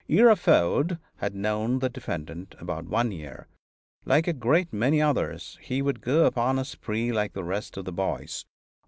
Ira Ford had known the defendant about one year; "like a great many others, he would go upon a spree like the rest of the boys."